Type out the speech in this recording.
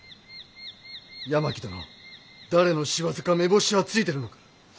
八巻殿誰の仕業か目星はついてるのか？